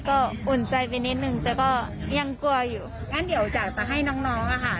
ก็อุ่นใจไปนิดนึงแต่ก็ยังกลัวอยู่งั้นเดี๋ยวอยากจะให้น้องน้องอะค่ะ